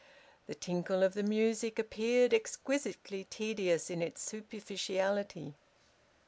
The tinkle of the music appeared exquisitely tedious in its superficiality.